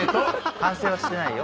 反省はしてないよ。